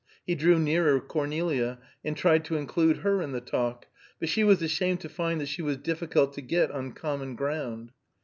He drew nearer Cornelia, and tried to include her in the talk, but she was ashamed to find that she was difficult to get on common ground.